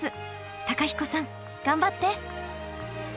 公彦さん頑張って！